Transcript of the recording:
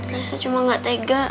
raisa cuma gak tega